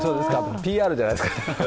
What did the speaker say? ＰＲじゃないですか。